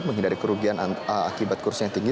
menghindari kerugian akibat kursi yang tinggi